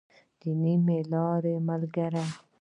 د نيمې لارې ملګری.